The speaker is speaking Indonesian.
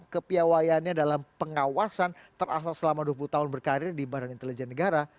kepiawayannya dalam pengawasan terasa selama dua puluh tahun berkarir di badan intelijen negara